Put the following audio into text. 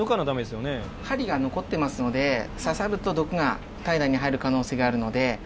針が残ってますので刺さると毒が体内に入る可能性があるので。